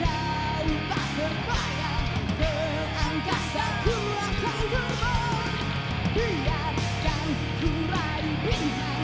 wakili teman teman dari perhimpunan pelajar indonesia di paris